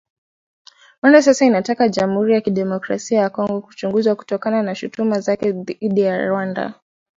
Rwanda sasa inataka Jamhuri ya Kidemokrasia ya Kongo kuchunguzwa kutokana na shutuma zake dhidi ya Rwanda